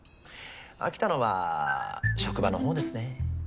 飽きたのは職場のほうですね。